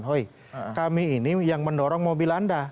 hoi kami ini yang mendorong mobil anda